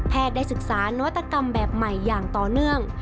ได้ศึกษานวัตกรรมแบบใหม่อย่างต่อเนื่อง